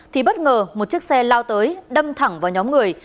thì bất ngờ một chiếc xe lao tới đâm thẳng vào nhóm người